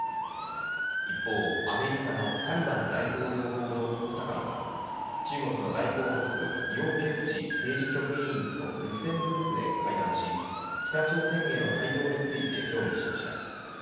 一方、アメリカのサリバン大統領補佐官は中国の外交トップ楊潔チ政治局委員とルクセンブルクで会談し北朝鮮への対応について協議しました。